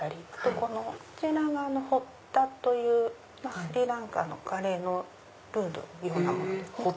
こちら側のホッダというスリランカのカレーのルーのようなものです。